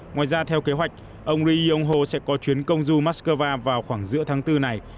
ngoài ra theo kế hoạch ông riy yong ho sẽ có chuyến công du moscow vào khoảng giữa tháng bốn này